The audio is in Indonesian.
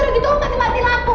lalu mati mati lampu